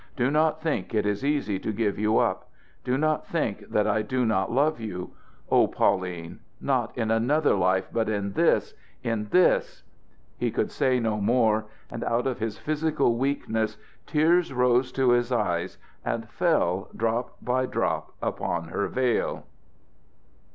Do not think it is easy to give you up! Do not think that I do not love you! Oh Pauline not in another life, but in this in this!" He could say no more; and out of his physical weakness tears rose to his eyes and fell drop by drop upon her veil.